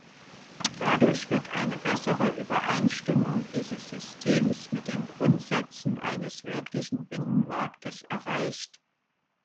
Dadurch wird eine bessere Übereinstimmung dieses Systems mit den Grundsätzen eines wirklichen Binnenmarktes erreicht.